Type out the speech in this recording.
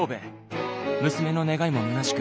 娘の願いもむなしく